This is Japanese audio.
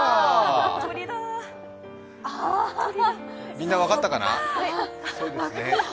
みんな分かったかな？